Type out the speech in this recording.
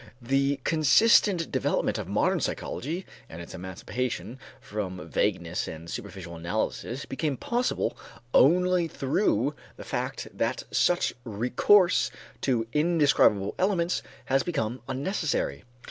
The consistent development of modern psychology and its emancipation from vagueness and superficial analysis became possible only through the fact that such recourse to indescribable elements has become unnecessary.